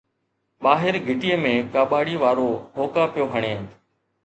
ٻاهر گھٽيءَ ۾ ڪاٻاڙي وارو هوڪا پيو هڻي